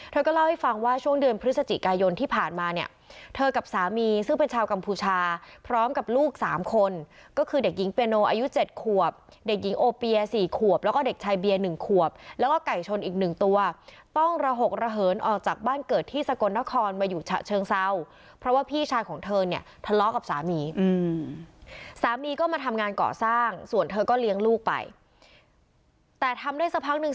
เธอก็เล่าให้ฟังว่าช่วงเดือนพฤศจิกายนที่ผ่านมาเนี่ยเธอกับสามีซึ่งเป็นชาวกัมพูชาพร้อมกับลูกสามคนก็คือเด็กหญิงเปเนาอายุ๗ขวบเด็กหญิงโอเปีย๔ขวบแล้วก็เด็กชายเบีย๑ขวบแล้วก็ไก่ชนอีก๑ตัวต้องระหกระเหินออกจากบ้านเกิดที่สะกนนครมาอยู่เชิงเศร้าเพราะว่าพี่ชายของเธอเนี่ยทะเลาะก